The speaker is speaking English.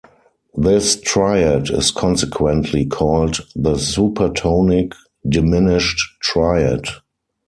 This triad is consequently called the supertonic diminished triad.